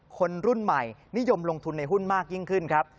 คนรุ่นใหม่นิยมลงทุนในหุ้นมากยิ่งขึ้นครับ